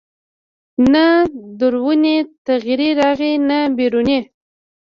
نه دروني تغییر راغی نه بیروني